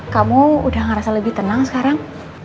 kamu udah ngerasa lebih tenang sekarang